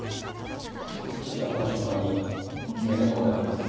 先手としてはこの瞬間に決めたいとこではありますね。